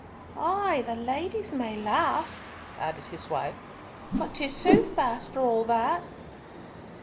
"Ay: the ladies may laugh," added his wife, "but 'tis soothfast for all that."